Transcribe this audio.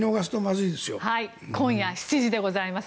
今夜７時でございます。